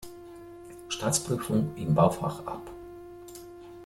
Staatsprüfung im Baufach ab.